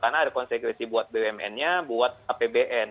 karena ada konsekuensi buat bumn nya buat apbn